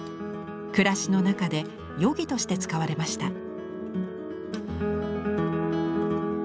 暮らしの中で夜着として使われました。